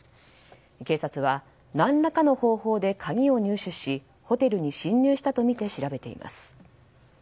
警察は何らかの方法で鍵を入手しホテルに侵入したとみて調べています。